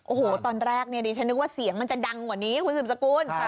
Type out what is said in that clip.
โอ้โหตอนแรกเนี่ยดิฉันนึกว่าเสียงมันจะดังกว่านี้คุณสืบสกุล